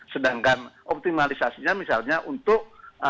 sedangkan optimalisasinya misalnya untuk